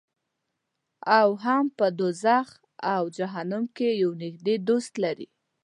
او هم په دوزخ او جهنم کې یو نږدې دوست ولري.